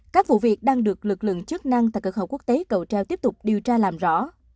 các vụ việc đang được lực lượng chức năng tại cửa khẩu quốc tế cầu treo tiếp tục điều tra làm rõ